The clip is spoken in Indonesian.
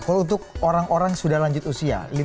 kalau untuk orang orang yang sudah lanjut usia